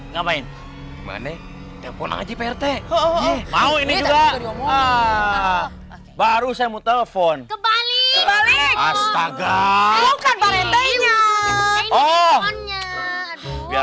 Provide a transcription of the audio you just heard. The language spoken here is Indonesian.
ngapain tempo ngaji perte mau ini juga baru saya mau telepon ke bali astaga